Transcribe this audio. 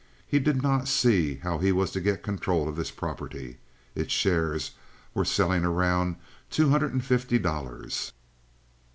He did not see how he was to get control of this property. Its shares were selling around two hundred and fifty dollars.